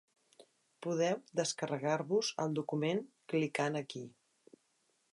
Podeu descarregar-vos el document, clicant aquí.